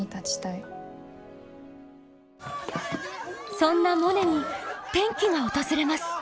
そんなモネに転機が訪れます。